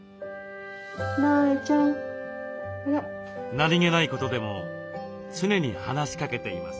何気ないことでも常に話しかけています。